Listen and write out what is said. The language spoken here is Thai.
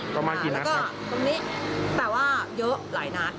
ก็มากี่นัดครับแล้วก็ตรงนี้แต่ว่าเยอะหลายนัด